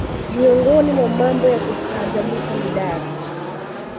Miongoni mwa mambo ya kustaajabisha ni dari